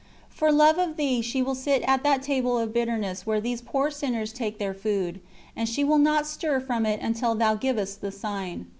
For love of Thee she will sit at that table of bitterness where these poor sinners take their food, and she will not stir from it until Thou givest the sign.